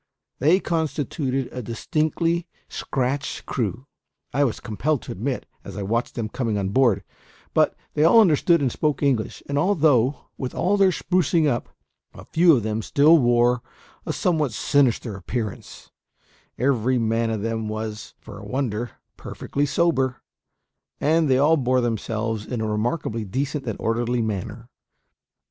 They constituted a distinctly scratch crew, I was compelled to admit, as I watched them coming on board; but they all understood and spoke English; and although, with all their sprucing up, a few of them still wore a somewhat sinister appearance, every man of them was, for a wonder, perfectly sober, and they all bore themselves in a remarkably decent and orderly manner.